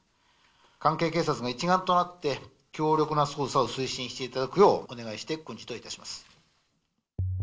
関係警察が一丸となって、強力な捜査を推進していただくよう、お願いして訓示といたします。